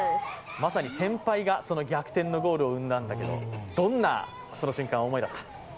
まさに先輩がその逆転のゴールを生んだんだけど、どんな瞬間、思いだった？